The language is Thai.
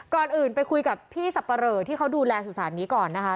ก่อนอื่นไปคุยกับพี่สับปะเหลอที่เขาดูแลสุสานนี้ก่อนนะคะ